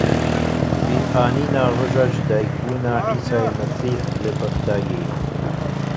Bîranîna roja jidayîkbûna Îsa Mesîh li Bexdayê.